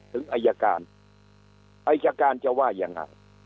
ถึงอายการอายการจะว่ายังไง